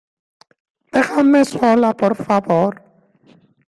dejadme sola, por favor